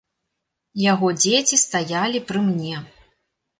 Яго дзеці стаялі пры мне.